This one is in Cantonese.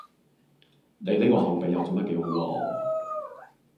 你呢個後備又做得幾好喎